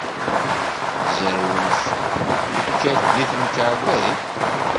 Tzerrwemt, tikkal, deg temkarḍit?